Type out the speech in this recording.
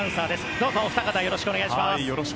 どうぞ、お二方よろしくお願いします。